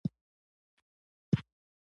په پیرو کې هسپانوي ښکېلاکګرو یو دولت پیدا کړ.